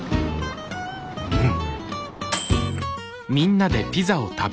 うん。